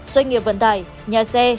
doanh nghiệp vận tải nhà xe